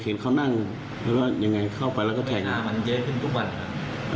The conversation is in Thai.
เห็นเขานั่งแล้วก็ยังไงเข้าไปแล้วก็แข่งมันเยอะขึ้นทุกวันครับ